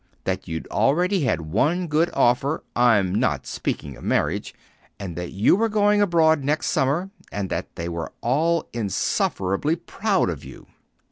That you'd already had one good offer I'm not speaking of marriage and that you were going abroad next summer, and that they were all insufferably proud of you."